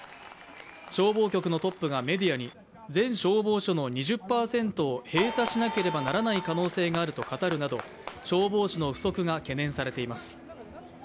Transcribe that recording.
消防局のトップがメディアに全消防署の２０％を閉鎖しなければならない可能性があると語るなど消防士の不足が懸念されています。